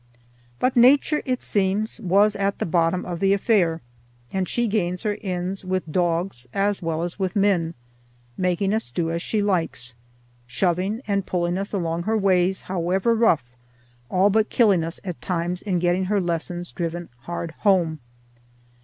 But Nature, it seems, was at the bottom of the affair, and she gains her ends with dogs as well as with men, making us do as she likes, shoving and pulling us along her ways, however rough, all but killing us at times in getting her lessons driven hard home.